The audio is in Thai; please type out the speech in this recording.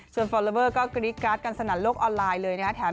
ส่วนฟอลลอเบอร์ก็กรี๊ดการ์ดกันสนั่นโลกออนไลน์เลยนะครับ